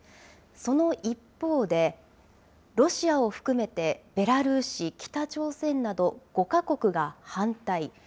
その一方で、ロシアを含めてベラルーシ、北朝鮮など、５か国が反対。